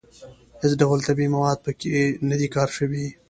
هېڅ ډول طبیعي مواد په کې نه دي کار شوي.